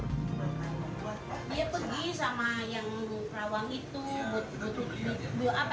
dia pergi sama yang kerawang itu